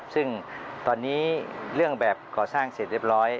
ซึ่งตอนนี้เรื่องแบบก่อสร้างเสร็จเรียบร้อย